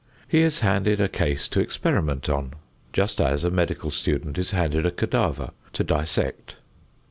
He is handed a case to experiment on, just as a medical student is handed a cadaver to dissect.